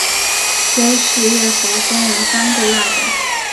菲氏叶猴分成三个亚种